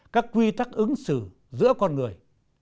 các quy tắc ứng xử giữa con người